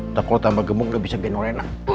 atau kalau tambah gemuk gak bisa bikin orenak